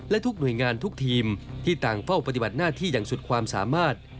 และทุกหน่วยงานทุกทีมที่ต่างเฝ้าปฏิบัติหน้าที่อย่างสุดความสามารถ